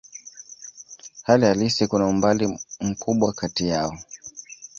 Hali halisi kuna umbali mkubwa kati yao.